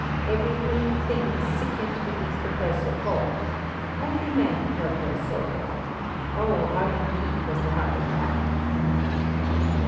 Every green thing sickened beneath the curse of God; only man felt no sorrow. Oh! hard indeed was the heart of man!